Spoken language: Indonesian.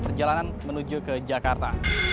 perjalanan menuju ke jakarta